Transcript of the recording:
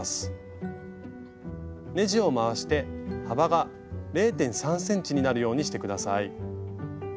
ねじを回して幅が０．３ｃｍになるようにして下さい。